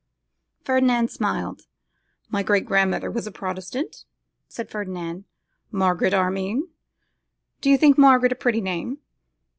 Ferdinand smiled. 'My great grandmother was a Protestant,' said Ferdinand, 'Margaret Armine. Do you think Margaret a pretty name?